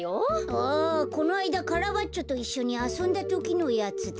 あこのあいだカラバッチョといっしょにあそんだときのやつだ。